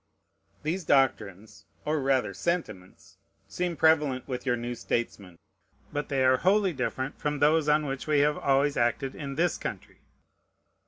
These doctrines, or rather sentiments, seem prevalent with your new statesmen. But they are wholly different from those on which we have always acted in this country.